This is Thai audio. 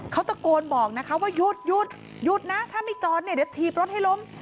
เขาตะโกนบอกว่าหยุดถ้าไม่จอดเดี๋ยวถีบรถให้ล้ม